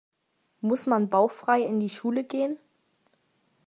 Muss man bauchfrei in die Schule gehen?